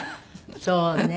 そうね。